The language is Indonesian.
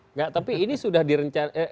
enggak tapi ini sudah direncanakan